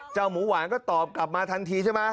หมูหวานก็ตอบกลับมาทันทีใช่ไหม